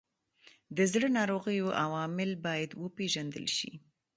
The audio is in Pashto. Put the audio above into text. د زړه ناروغیو عوامل باید وپیژندل شي.